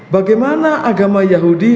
bagaimana agama yahudi